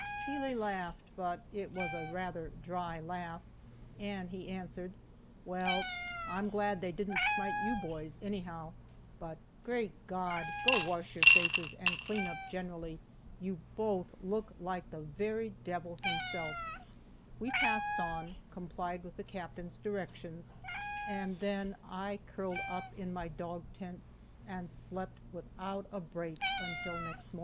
Keeley laughed, but it was a rather dry laugh, and he answered: "Well, I'm glad they didn't smite you boys, anyhow but, great God! go wash your faces, and clean up generally. You both look like the very devil himself." We passed on, complied with the Captain's directions, and then I curled up in my dog tent and slept without a break until next morning. [Illustration: Lorenzo J. Miner 1st Lieutenant Co. B, 61st Illinois Infantry.